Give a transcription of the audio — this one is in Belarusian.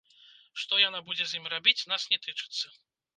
Што яна будзе з ім рабіць, нас не тычыцца.